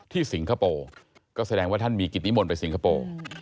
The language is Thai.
สิงคโปร์ก็แสดงว่าท่านมีกิจนิมนต์ไปสิงคโปร์